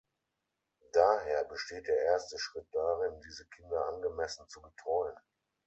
Daher besteht der erste Schritt darin, diese Kinder angemessen zu betreuen.